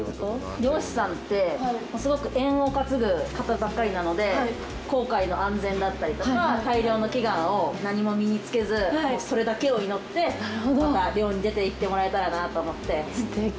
漁師さんって縁を担ぐ方ばっかりなので航海の安全だったりとか大漁の祈願を何も身につけずそれだけを祈ってまた漁に出ていってもらえたらなと思って。